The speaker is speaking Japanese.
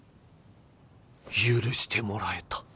許してもらえた。